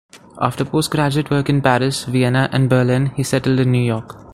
After postgraduate work in Paris, Vienna and Berlin he settled in New York.